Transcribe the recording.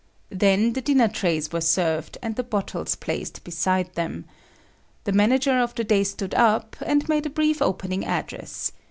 Then the dinner trays were served and the bottles placed beside them. The manager of the day stood up and made a brief opening address.